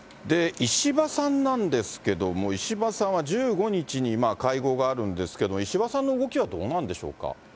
石破さんなんですけども、石破さんは１５日に会合があるんですけど、石破さんの動きはどうなんでしょうか。